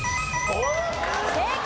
正解。